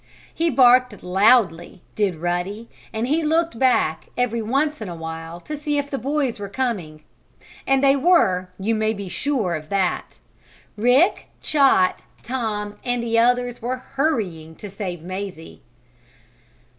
He barked loudly, did Ruddy, and he looked back, every once in a while to see if the boys were coming. And they were, you may be sure of that. Rick, Chot, Tom and the others were hurrying to save Mazie.